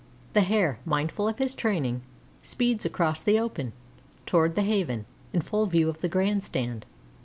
The Hare, mindful of his training, speeds across the open, toward the Haven, in full view of the Grand Stand.